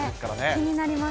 気になります。